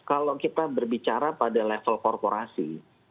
kalau kita berbicara pada level korporasi